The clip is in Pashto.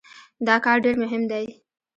دا کار ډېر مهم دی.